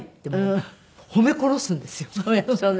そうね。